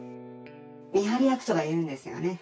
見張り役とかいるんですよね。